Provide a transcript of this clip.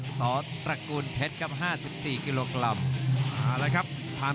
ริปติกไกร